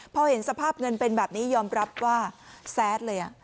พอเห็นสภาพเงินเป็นแบบนี้ยอมรับว่าแซดเลย